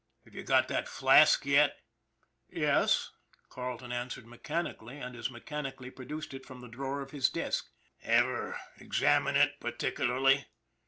Have you got that flask yet ?"" Yes," Carleton answered mechanically, and as mechanically produced it from the drawer of his desk. " Ever examine it particularly